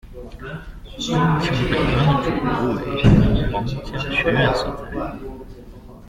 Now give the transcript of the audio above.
中庭北端的主楼为皇家学院所在。